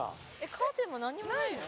カーテンも何にもないの？